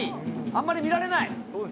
あんまり見られない。